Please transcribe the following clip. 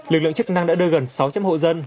lực lượng chức năng đã đưa gần sáu chấp hộ dân